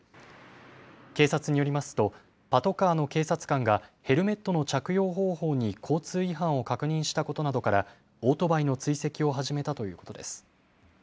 警察によりますとパトカーの警察官がヘルメットの着用方法に交通違反を確認したことなどからオートバイの追跡を始めたということです。